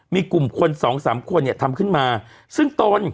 มีกลุ่มคนสองสามคนเนี่ยทำขึ้นมาซึ่งตน